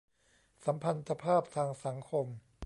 สัมพันธภาพทางสังคม